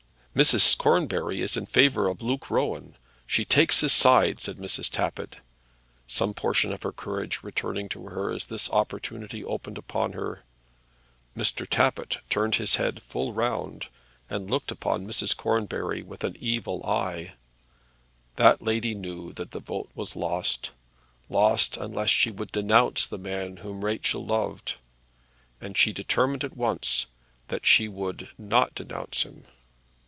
"Mrs. Cornbury is in favour of Luke Rowan; she takes his side," said Mrs. Tappitt, some portion of her courage returning to her as this opportunity opened upon her. Mr. Tappitt turned his head full round and looked upon Mrs. Cornbury with an evil eye. That lady knew that the vote was lost, lost unless she would denounce the man whom Rachel loved; and she determined at once that she would not denounce him.